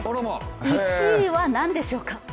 １位は何でしょうか。